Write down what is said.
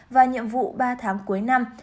và nhiệm vụ ba tháng cuối năm